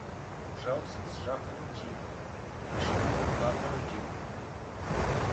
Жаусыз жақынын жейді, ішіндегі пақырын жейді.